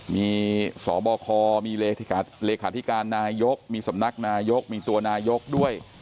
มีสบคมีรรนายกมีสำนักนายกมีตัวนายกด้วย